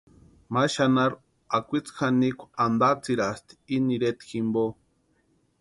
Ma xanharu akwitsi janikwa antatsirasti ini ireta jimpo.